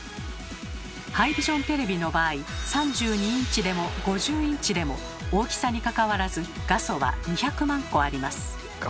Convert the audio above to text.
ハイビジョンテレビの場合３２インチでも５０インチでも大きさにかかわらず画素は２００万個あります。